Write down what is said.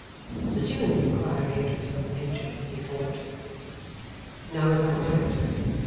Pursuing the inquiry into his own nature, he thought, 'Now, if I married her.